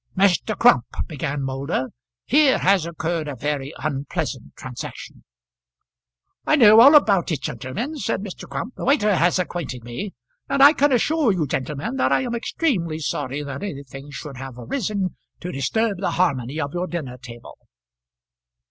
"Mr. Crump," began Moulder, "here has occurred a very unpleasant transaction." "I know all about it, gentlemen," said Mr. Crump. "The waiter has acquainted me, and I can assure you, gentlemen, that I am extremely sorry that anything should have arisen to disturb the harmony of your dinner table."